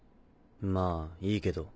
まぁいいけど。